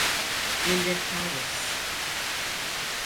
Minnettarız.